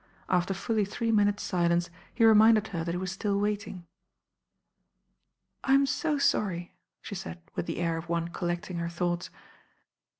After fully three minutes' si lence he reminded her that he was still waiting. "I'm so sorry," she said with the air of one col lecting her thoughts.